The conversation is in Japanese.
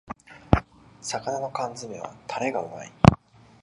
魚の缶詰めはタレがうまい